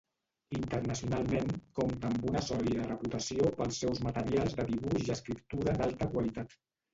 Internacionalment, compta amb una sòlida reputació pels seus materials de dibuix i escriptura d'alta qualitat.